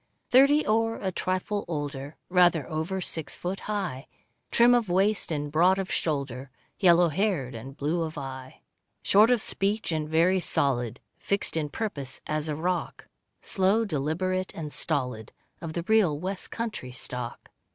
Thirty or a trifle older, Rather over six foot high, Trim of waist and broad of shoulder, Yellow haired and blue of eye; Short of speech and very solid, Fixed in purpose as a rock, Slow, deliberate, and stolid, Of the real West country stock.